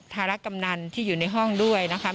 รกำนันที่อยู่ในห้องด้วยนะคะ